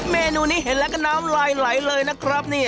เมนูนี้เห็นแล้วก็น้ำลายไหลเลยนะครับเนี่ย